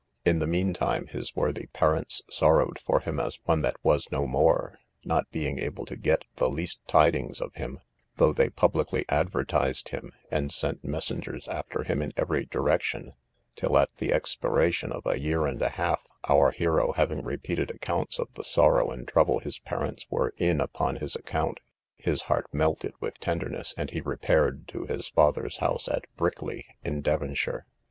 In the meantime, his worthy parents sorrowed for him as one that was no more, not being able to get the least tidings of him, though they publicly advertised him, and sent messengers after him in every direction; till, at the expiration of a year and a half, our hero having repeated accounts of the sorrow and trouble his parents were in upon his account, his heart melted with tenderness, and he repaired to his father's house, at Brickley, in Devonshire.